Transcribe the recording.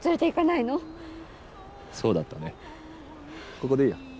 ここでいいや。